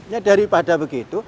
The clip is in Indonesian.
ya daripada begitu